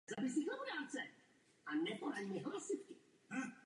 Zůstanu nicméně ostražitá, pokud jde o jeho uvádění do praxe.